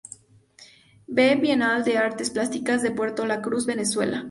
V Bienal de Artes Plásticas de Puerto La Cruz, Venezuela.